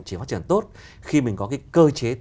chỉ phát triển tốt khi mình có cái cơ chế